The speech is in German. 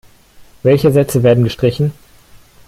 Welche Sätze werden gestrichen?